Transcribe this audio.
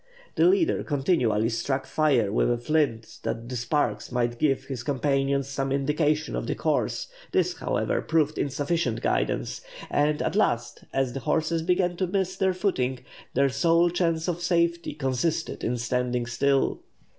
The leader continually struck fire with a flint that the sparks might give his companions some indication of the course. This, however, proved insufficient guidance; and at last, as the horses began to miss their footing, their sole chance of safety consisted in standing still.